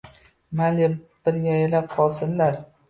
Mayli bir yayrab qolsinlar.